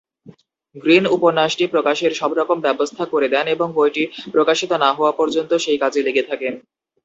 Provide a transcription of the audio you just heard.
Green উপন্যাসটি প্রকাশের সবরকম ব্যবস্থা করে দেন এবং বইটি প্রকাশিত না হওয়া পর্যন্ত সেই কাজে লেগে থাকেন।